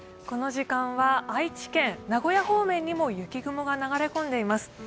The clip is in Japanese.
この時間は愛知県・名古屋方面にも雪雲が流れ込んでいます。